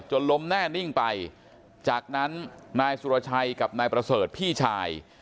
ล้มแน่นิ่งไปจากนั้นนายสุรชัยกับนายประเสริฐพี่ชาย